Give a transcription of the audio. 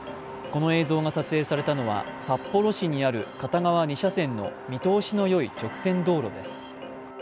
この映像が撮影されたのは札幌市にある片側２車線の見通しのよい直線道路です。